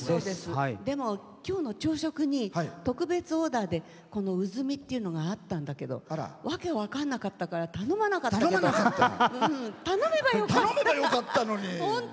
でも、今日の朝食に特別オーダーでうずみってのがあったんだけど訳分かんなかったから頼まなかったけど頼めばよかった！